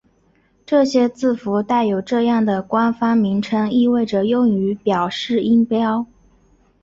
这些字符带有这样的官方名称意味着用于表示音标。